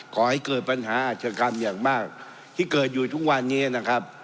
ขอให้เกิดปัญหาอาชกรรมอย่างมากที่เกิดอยู่ทุกวันนี้นะครับ